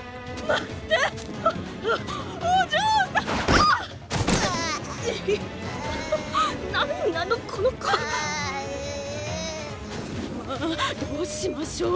まあどうしましょう。